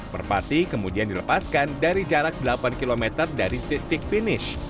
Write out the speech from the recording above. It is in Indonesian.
merpati kemudian dilepaskan dari jarak delapan km dari titik finish